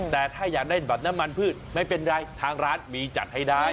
แต่ถ้าอยากได้แบบน้ำมันพืชไม่เป็นไรทางร้านมีจัดให้ได้